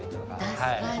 確かに。